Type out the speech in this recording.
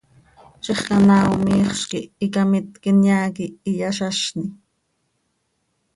Ziix canaao miixz quih icamitc inyaa quih iyazazni.